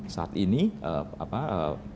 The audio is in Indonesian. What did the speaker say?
saat ini pabriknya hampir selesai